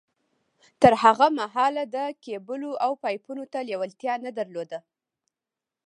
تر هغه مهاله ده کېبلو او پایپونو ته لېوالتیا نه در لوده